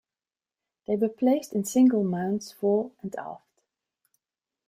They were placed in single mounts fore and aft.